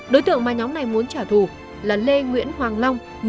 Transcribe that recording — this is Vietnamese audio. đối tượng mà nhóm này muốn trả thù là lê nguyễn hoàng long